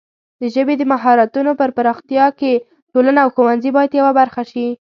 د ژبې د مهارتونو پر پراختیا کې ټولنه او ښوونځي باید یوه برخه شي.